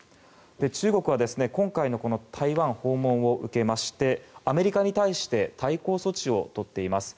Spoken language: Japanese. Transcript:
中国は今回の台湾訪問を受けましてアメリカに対して対抗措置をとっています。